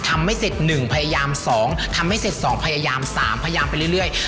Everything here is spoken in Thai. ทำไม่เสร็จหนึ่งพยายามสองทำไม่เสร็จสองพยายามสามพยายามไปเรื่อย